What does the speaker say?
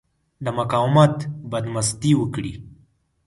د مقاومت بدمستي وکړي.